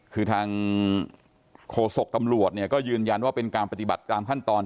คือทางโฆษกตำรวจเนี่ยก็ยืนยันว่าเป็นการปฏิบัติตามขั้นตอน